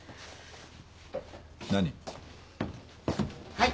はい。